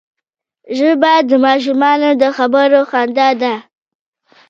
ژبه د ماشومانو د خبرو خندا ده